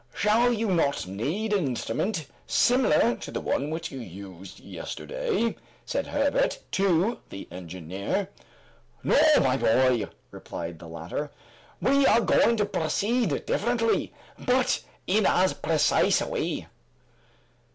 "Shall you not need an instrument similar to the one which you used yesterday?" said Herbert to the engineer. "No, my boy," replied the latter, "we are going to proceed differently, but in as precise a way."